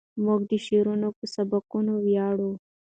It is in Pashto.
موږ د شاعرانو په سبکونو ویاړو.